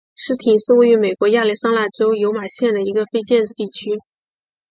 斯廷是位于美国亚利桑那州尤马县的一个非建制地区。